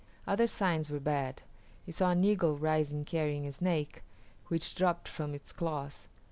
Other signs were bad. He saw an eagle rising carrying a snake, which dropped from its claws.